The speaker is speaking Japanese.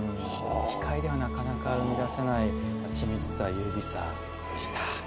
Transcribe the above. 機械ではなかなか生み出せない緻密さ優美さでした。